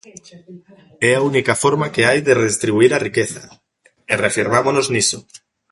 É a única forma que hai de redistribuír a riqueza, e reafirmámonos niso.